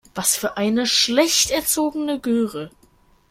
Was für eine schlecht erzogene Göre.